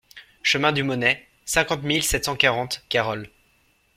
Chemin du Maunet, cinquante mille sept cent quarante Carolles